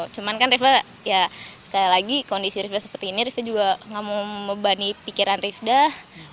cuman kan rifdar ya sekali lagi kondisi rifdar seperti ini rifdar juga gak mau membebani pikiran rifdar